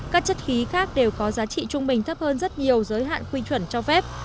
các chất khí khác đều có giá trị trung bình thấp hơn rất nhiều giới hạn quy chuẩn cho phép